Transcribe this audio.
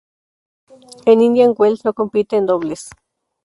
En Indian Wells no compite en dobles.